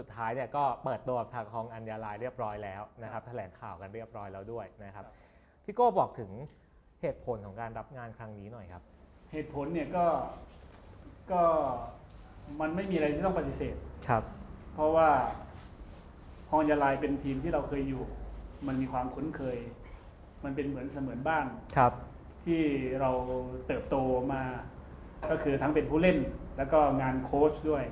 เนี่ยก็เปิดตัวกับทางฮองอัญญาลายเรียบร้อยแล้วนะครับแถลงข่าวกันไปเรียบร้อยแล้วด้วยนะครับพี่โก้บอกถึงเหตุผลของการรับงานครั้งนี้หน่อยครับเหตุผลเนี่ยก็ก็มันไม่มีอะไรที่ต้องปฏิเสธครับเพราะว่าฮองยาลายเป็นทีมที่เราเคยอยู่มันมีความคุ้นเคยมันเป็นเหมือนเสมือนบ้านครับที่เราเติบโตมาก็คือทั้งเป็นผู้เล่นแล้วก็งานโค้ชด้วย